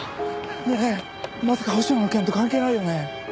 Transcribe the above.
ねえまさか保科の件と関係ないよね？